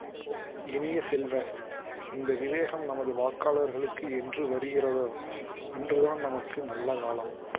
இனிய செல்வ, இந்த விவேகம் நமது வாக்காளர்களுக்கு என்று வருகிறதோ, அன்றுதான் நமக்கு நல்ல காலம்!